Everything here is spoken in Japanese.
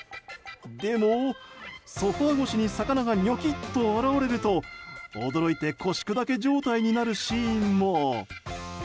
でも、ソファ越しに魚がにょきっと現れると驚いて腰砕け状態になるシーンも。